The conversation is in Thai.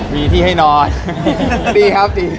มีที่ให้นอนดีครับดี